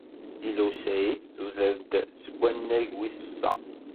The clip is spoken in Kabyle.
Lila u Saɛid tuder-d seg wannag wis sa.